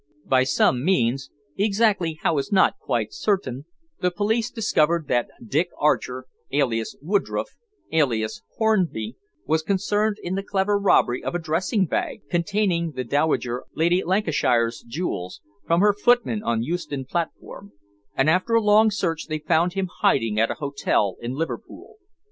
By some means exactly how is not quite certain the police discovered that Dick Archer, alias Woodroffe, alias Hornby, was concerned in the clever robbery of a dressing bag, containing the Dowager Lady Lancashire's jewels, from her footman on Euston platform, and after a long search they found him hiding at an hotel in Liverpool.